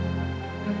ya pak adrian